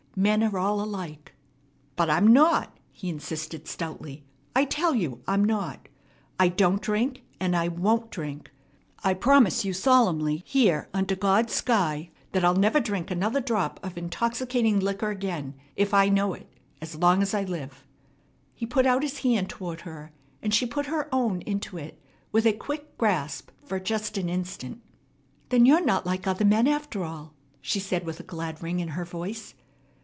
Men are all alike." "But I'm not," he insisted stoutly. "I tell you I'm not. I don't drink, and I won't drink. I promise you solemnly here under God's sky that I'll never drink another drop of intoxicating liquor again if I know it as long as I live." He put out his hand toward her, and she put her own into it with a quick grasp for just an instant. "Then you're not like other men, after all," she said with a glad ring in her voice.